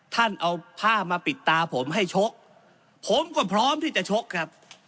ท่านเอาผ้ามาปิดตาผมให้ชกผมก็พร้อมที่จะชกครับ